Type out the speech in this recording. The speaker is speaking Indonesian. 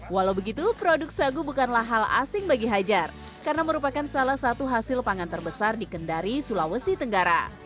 walau begitu produk sagu bukanlah hal asing bagi hajar karena merupakan salah satu hasil pangan terbesar di kendari sulawesi tenggara